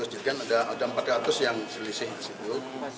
jadi kan ada empat ratus yang selisih disitu